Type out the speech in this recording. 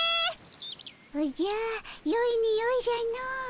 おじゃよいにおいじゃの。